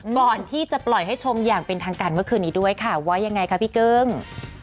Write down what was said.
ก่อนที่จะปล่อยให้ชมอย่างเป็นทางการเมื่อคืนนี้ด้วยค่ะว่ายังไงคะพี่กึ้ง